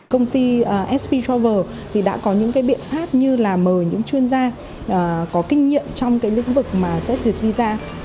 công ty sp travel đã có những biện pháp như là mời những chuyên gia có kinh nghiệm trong lĩnh vực sẽ thiệt visa